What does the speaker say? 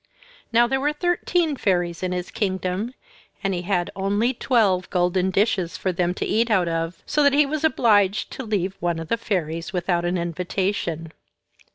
Now there were thirteen fairies in his kingdom, and he had only twelve golden dishes for them to eat out of, so that he was obliged to leave one of the fairies without an invitation.